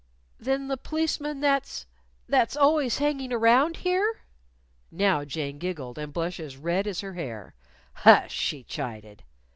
_" "Than the p'liceman that's that's always hanging around here?" Now Jane giggled, and blushed as red as her hair. "Hush!" she chided.